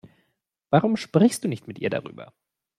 Warum sprichst du nicht mit ihr darüber?